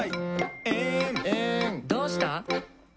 「どうした？」